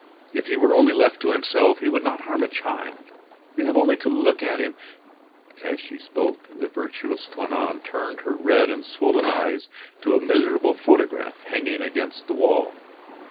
If he were only left to himself he would not harm a child. You have only to look at him " As she spoke, the virtuous Toinon turned her red and swollen eyes to a miserable photograph hanging against the wall.